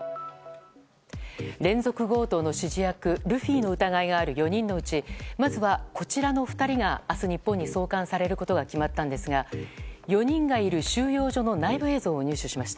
連続強盗の指示役ルフィの疑いのある４人のうちまずは、こちらの２人が明日、日本に送還されることが決まったんですが４人がいる収容所の内部映像を入手しました。